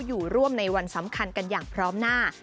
อยู่ร่วมในวันสำคัญกันอย่างพร้อมหน้า